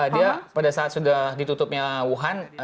dia pada saat sudah ditutupnya wuhan